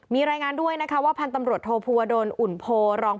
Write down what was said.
มีรายงานด้วยนะคะว่าพันธ์ตำรวจโทภูวดลอุ่นโพรอง